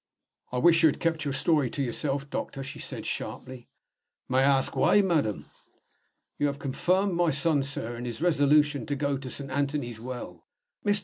"I wish you had kept your story to yourself, doctor," she said, sharply. "May I ask why, madam?" "You have confirmed my son, sir, in his resolution to go to Saint Anthony's Well." Mr.